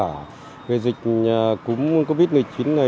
người dịch cũng covid một mươi chín này